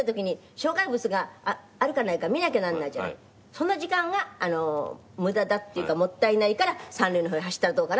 その時間が無駄だっていうかもったいないから「３塁の方へ走ったらどうかな？」